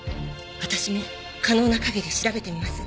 私も可能な限り調べてみます。